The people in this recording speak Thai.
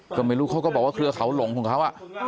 ก็ไม่รู้เขาก็บอกว่าเครือเขาหลงของเขา